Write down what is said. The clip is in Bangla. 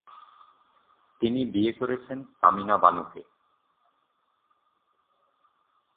তিনি বিয়ে করেছেন সামিনা বানুকে।